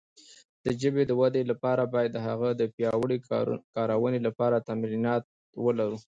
د ژبې د وده لپاره باید د هغه د پیاوړې کارونې لپاره تمرینات ولرو.